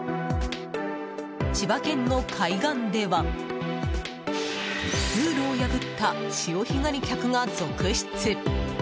千葉県の海岸ではルールを破った潮干狩り客が続出。